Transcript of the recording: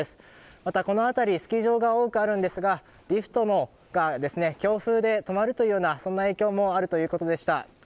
また、この辺りスキー場が多くあるんですが、リフトが強風で止まるという影響もあるということでした。